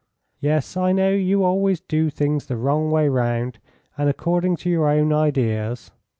"Yes, I know you always do things the wrong way round, and according to your own ideas."